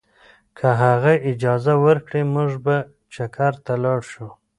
که هغه اجازه ورکړي، موږ به چکر ته لاړ شو.